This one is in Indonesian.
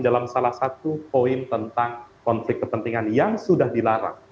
dalam salah satu poin tentang konflik kepentingan yang sudah dilarang